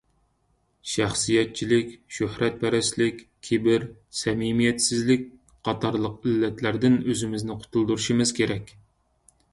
شەخسىيەتچىلىك، شۆھرەتپەرەسلىك، كىبىر، سەمىمىيەتسىزلىك قاتارلىق ئىللەتلەردىن ئۆزىمىزنى قۇتۇلدۇرۇشىمىز كېرەك.